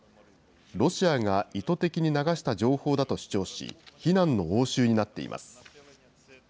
ロシアが意図的に流した情報だと主張し、非難の応酬になっています。